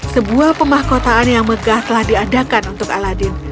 sebuah pemahkotaan yang megah telah diadakan untuk aladin